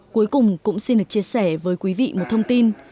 cuối cùng cũng xin được chia sẻ với quý vị một thông tin